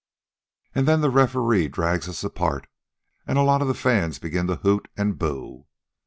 "An' then the referee drags us apart, an' a lot of the fans begins to hoot an' boo.